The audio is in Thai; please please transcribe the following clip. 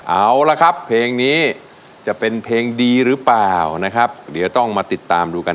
เอาละครับเพลงนี้จะเป็นเพลงดีหรือเปล่านะครับเดี๋ยวต้องมาติดตามดูกัน